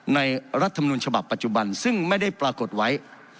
รัฐมนุนฉบับปัจจุบันซึ่งไม่ได้ปรากฏไว้